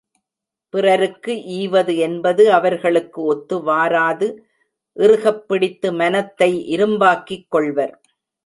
பிறருககு ஈவது என்பது அவர்களுக்கு ஒத்து வாராது இறுகப் பிடித்து மனத்தை இரும்பாக்கிக் கொள்வர்.